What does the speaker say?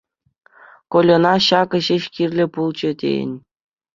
Кольӑна ҫакӑ ҫеҫ кирлӗ пулчӗ тейӗн.